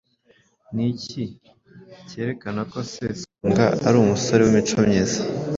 Ni iki kerekana ko Sesonga ari umusore w’imico myiza?